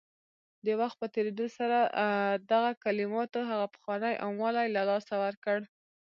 د وخت په تېرېدو سره دغه کلماتو هغه پخوانی عام والی له لاسه ورکړ